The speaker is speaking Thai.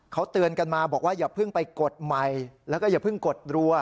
เขาเตือนกันมาบอกว่าอย่าเพิ่งไปกดใหม่แล้วก็อย่าเพิ่งกดรัว